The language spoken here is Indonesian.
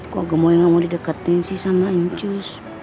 kok gemoy gak mau didekatin sih sama incus